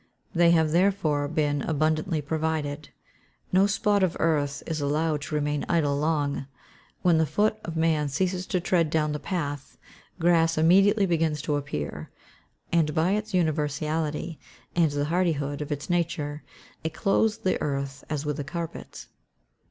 They have therefore been abundantly provided. No spot of earth is allowed to remain idle long. When the foot of man ceases to tread down the path, grass immediately begins to appear; and by its universality and the hardihood of its nature, it clothes the earth as with a carpet.